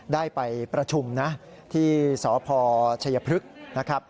ได้ไปประชุมที่สภชยพฤกษ์